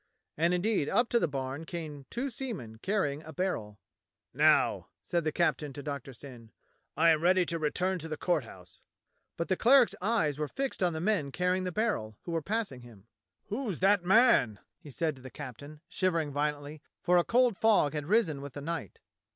And indeed up to the barn came two seamen carrying a barrel. "Now," said the captain to Doctor Syn, "I am ready to return to the Court House." But the cleric's eyes were fixed on the men carrying the barrel, who were passing him. "Who's that man?" he said to the captain, shivering violently, for a cold fog had risen with the night.